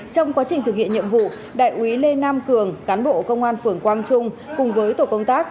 trong quá trình thực hiện nhiệm vụ đại úy lê nam cường cán bộ công an phường quang trung cùng với tổ công tác